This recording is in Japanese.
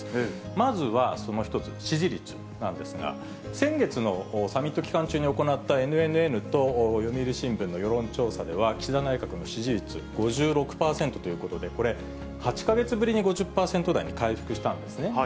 まずはその１つ、支持率なんですが、先月のサミット期間中に行ったＮＮＮと読売新聞の世論調査では岸田内閣の支持率５６％ということで、これ、８か月ぶりに５０％台に回復したんですね。